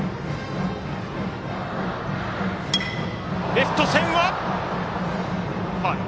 レフト線はファウル。